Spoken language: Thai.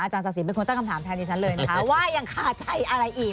อาจารย์สาธิตเป็นคนตั้งคำถามแทนดิฉันเลยนะว่ายังขาดใจอะไรอีก